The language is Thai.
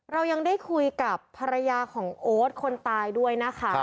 เรายังได้คุยกับภรรยาของโอ๊ตคนตายด้วยนะคะ